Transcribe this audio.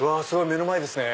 目の前ですね。